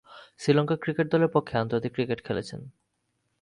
Sri Lanka cricket দলের পক্ষে আন্তর্জাতিক ক্রিকেট খেলছেন।